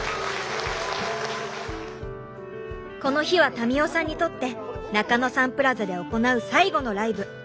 この日は民生さんにとって中野サンプラザで行う最後のライブ。